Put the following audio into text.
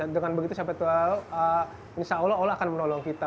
dengan begitu insya allah allah akan menolong kita